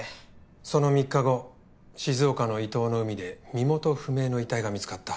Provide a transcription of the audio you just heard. その３日後静岡の伊東の海で身元不明の遺体が見つかった。